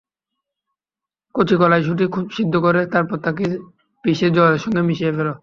কচি কলাইশুঁটি খুব সিদ্ধ করে, তারপর তাকে পিষে জলের সঙ্গে মিশিয়ে ফেল।